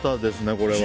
これは。